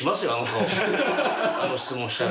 あの質問したら。